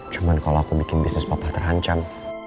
cuman kalau aku bikin bisnis papa terhancam